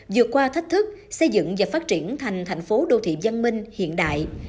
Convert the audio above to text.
vượt qua thách thức xây dựng và phát triển thành thành phố đô thị văn minh hiện đại